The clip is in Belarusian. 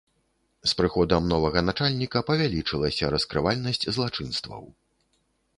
З прыходам новага начальніка павялічылася раскрывальнасць злачынстваў.